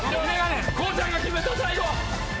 こうちゃんが決めた最後！